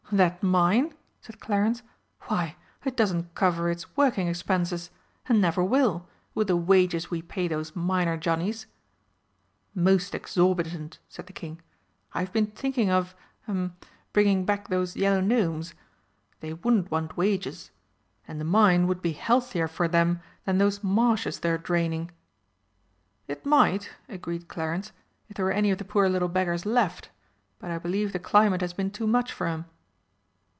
"That mine?" said Clarence. "Why, it doesn't cover its working expenses and never will, with the wages we pay those miner johnnies!" "Most exorbitant," said the King; "I've been thinking of hem bringing back those yellow gnomes. They wouldn't want wages and the mine would be healthier for them than those marshes they're draining." "It might," agreed Clarence, "if there were any of the poor little beggars left. But I believe the climate has been too much for 'em."